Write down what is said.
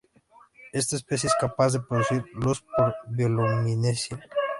Esta especie es capaz de producir luz por bioluminiscencia.